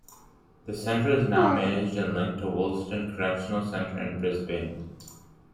The centre is now managed and linked to Wolston Correctional Centre in Brisbane.